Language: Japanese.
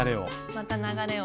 また流れを。